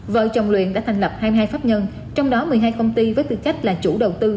vợ chồng luyện đã thành lập hai mươi hai pháp nhân trong đó một mươi hai công ty với tư cách là chủ đầu tư